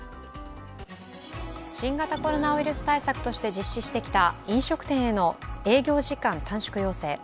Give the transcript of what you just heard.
新型コロナウイルス対策として実施してきた飲食店への営業時間短縮要請。